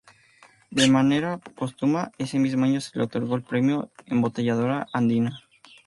De manera póstuma, ese mismo año se le otorgó el Premio Embotelladora Andina.